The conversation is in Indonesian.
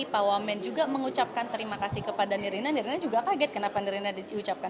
pak wamen juga mengucapkan terima kasih kepada nerina nerina juga kaget kenapa nerina di ucapkan